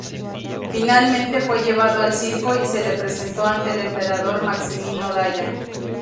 Finalmente fue llevado al circo y se le presentó ante el emperador Maximino Daya.